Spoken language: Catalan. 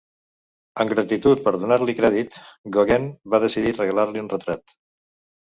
En gratitud per donar-li crèdit, Gauguin va decidir regalar-li un retrat.